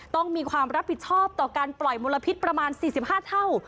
ต้องมีความรับผิดชอบต่อการปล่อยมลพิษประมาณ๔๕เท่า